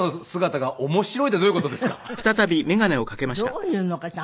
どういうのかしら。